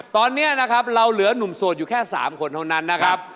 ตอนนี้นะครับเราเหลือหนุ่มโสดอยู่แค่๓คนเท่านั้นนะครับ